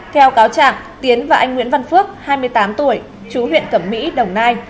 theo cáo trạng tiến và anh nguyễn văn phước hai mươi tám tuổi chú huyện cẩm mỹ đồng nai